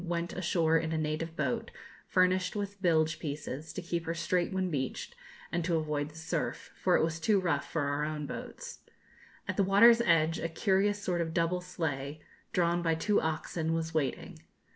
went ashore in a native boat, furnished with bilge pieces, to keep her straight when beached, and to avoid the surf, for it was too rough for our own boats. At the water's edge a curious sort of double sleigh, drawn by two oxen, was waiting.